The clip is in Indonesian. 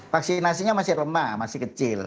vaksinasinya masih lemah masih kecil